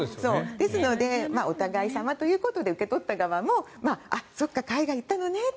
ですのでお互い様ということで受け取った側もそうか、海外に行ったのね